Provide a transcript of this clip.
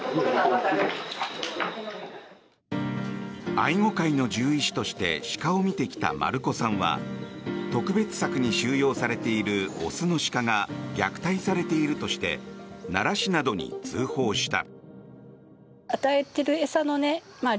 愛護会の獣医師として鹿を見てきた丸子さんは特別柵に収容されている雄の鹿が虐待されているとして奈良市などに通報した。